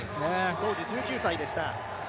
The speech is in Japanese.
当時１９歳でした。